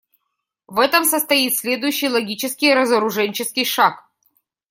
В этом состоит следующий логический разоруженческий шаг.